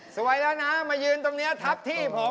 สวยแล้วนะมายืนตรงนี้ทับที่ผม